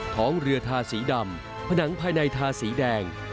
ของเรือทาสีดำผนังภายในทาสีแดง